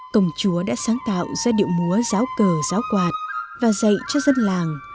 công chúa đã sáng tạo ra điệu múa giáo cờ giáo quạt và dạy cho dân làng